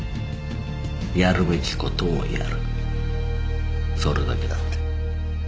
やるべきことをやるそれだけだって。